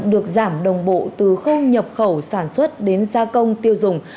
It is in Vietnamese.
được giảm đồng bộ từ khâu nhập khẩu sản xuất đến gia công tiêu dùng